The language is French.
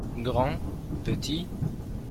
Grand / Petit.